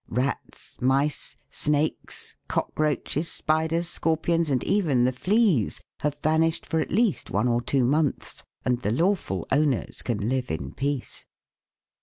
Rats, mice, snakes, cockroaches, spiders, scorpions, and even the fleas, have vanished for at least one or two months, and the lawful owners can live in peace.